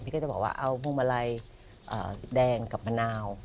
ก็จะบอกว่าเอาพวงมาลัยแดงกับมะนาว